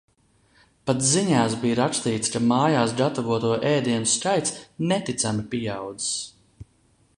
Pat ziņās bija rakstīts, ka mājās gatavoto ēdienu skaits neticami pieaudzis.